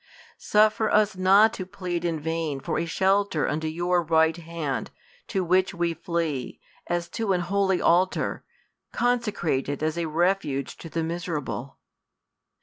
Suffer us not to plead in vain for a shelter under your right hand, to which we flee, as to an holy altar, con secrated as a refuge to the miserable.